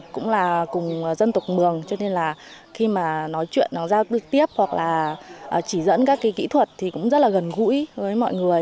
cũng là cùng dân tộc mường cho nên là khi mà nói chuyện nó giao trực tiếp hoặc là chỉ dẫn các cái kỹ thuật thì cũng rất là gần gũi với mọi người